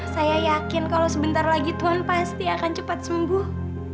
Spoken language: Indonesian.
saya yakin kalau sebentar lagi tuhan pasti akan cepat sembuh